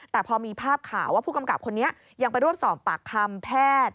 แต่พอมีภาพข่าวว่าผู้กำกับคนนี้ยังไปรวบสอบปากคำแพทย์